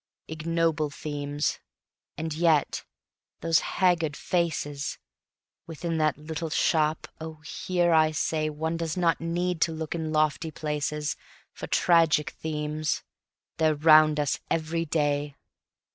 Ignoble themes! And yet those haggard faces! Within that little shop. ... Oh, here I say One does not need to look in lofty places For tragic themes, they're round us every day.